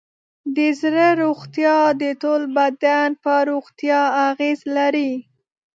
د زړه روغتیا د ټول بدن پر روغتیا اغېز لري.